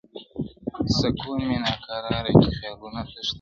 سکون مي ناکراره کي خیالونه تښتوي.!